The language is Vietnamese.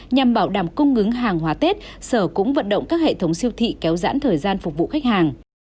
nhằm bảo đảm cung ứng hàng hóa tết sở cũng vận động các hệ thống siêu thị kéo dãn thời gian phục vụ khách hàng